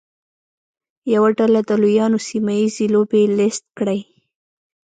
یوه ډله د لویانو سیمه ییزې لوبې لیست کړي.